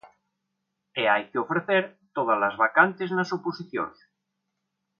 E hai que ofrecer todas as vacantes nas oposicións.